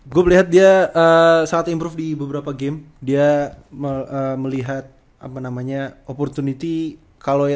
gua melihat dia eh sangat improve di beberapa game dia melihat apa namanya opportunity kalau